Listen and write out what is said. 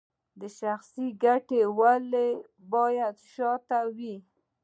شخصي ګټې ولې باید شاته وي؟